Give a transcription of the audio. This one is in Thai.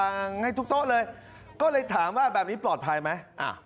งให้ทุกโต๊ะเลยก็เลยถามว่าแบบนี้ปลอดภัยไหม